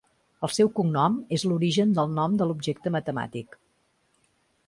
El seu cognom és l'origen del nom de l'objecte matemàtic.